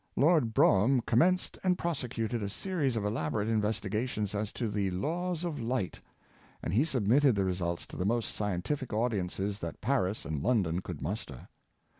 Lord Brougham commenced and prosecuted a series of elaborate investigations as to the laws of Light, and he submitted the results to the most scien tific audiences that Paris and London could muster.